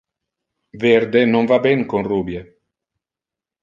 Verde non va ben con rubie.